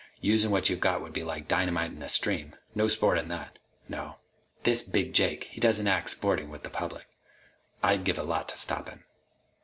Usin' what you've got would be like dynamitin' a stream. No sport in that! No! But this Big Jake, he doesn't act sporting with the public. I'd give a lot to stop him."